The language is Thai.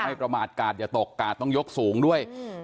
ประมาทกาดอย่าตกกาดต้องยกสูงด้วย